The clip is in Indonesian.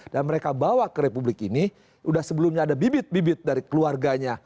dan mereka bawa ke republik ini sudah sebelumnya ada bibit bibit dari keluarganya